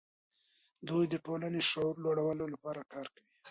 دوی د ټولنې د شعور د لوړولو لپاره کار کوي.